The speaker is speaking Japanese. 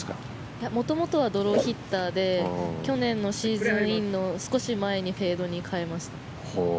いや元々はドローヒッターで去年のシーズンインの少し前にフェードに変えました。